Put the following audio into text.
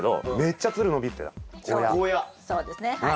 そうですねはい。